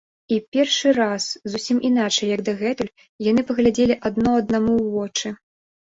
І першы раз, зусім іначай, як дагэтуль, яны паглядзелі адно аднаму ў вочы.